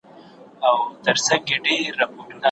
ولي د مورنۍ ژبي پوهه د لوستلو مهارت لوړوي؟